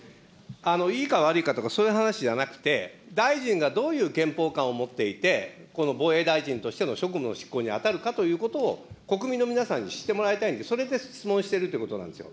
いいか悪いかとか、そういう話じゃなくて、大臣がどういう憲法観を持っていて、この防衛大臣としての職務の執行に当たるかということを、国民の皆さんに知ってもらいたいんで、それで、質問しているということなんですよ。